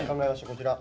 こちら。